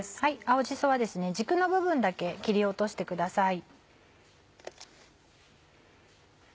青じそは軸の部分だけ切り落としてください。